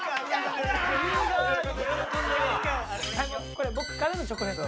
これ僕からのチョコレート。